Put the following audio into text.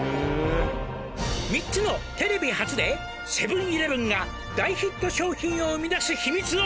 「３つのテレビ初で」「セブン−イレブンが大ヒット商品を生み出す秘密を」